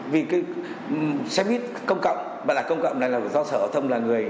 vì cái xe buýt công cộng mà là công cộng này là do sở hợp thông là người